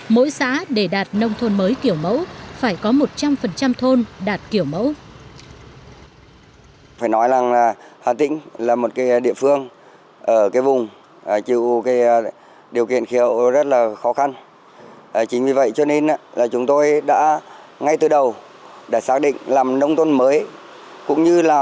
mỗi xã để đạt nông thôn mới kiểu mẫu